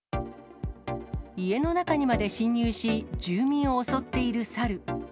家の中にまで侵入し、住民を襲っているサル。